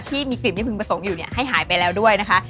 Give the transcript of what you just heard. ที่มีกลิ่นที่พึงประสงค์อยู่ให้หายไปแล้วด้วยนะคะ